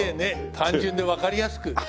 単純でわかりやすく。